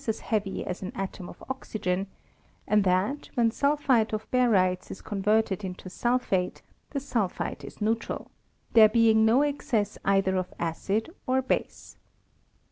303 as heavy as an atom of oxygen ; and that when sul phite of barytas is converted into sulphate, the sul phate is neutral, there being no excess either of acid or base.